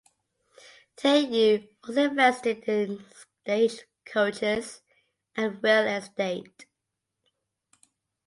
Tilyou also invested in stagecoaches and real estate.